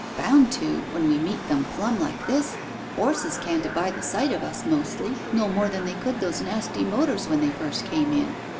Bound to, when we meet them plumb like this ! 'Orses can't abide the sight of us, mostly, no more than they could those nasty motors when they first came in.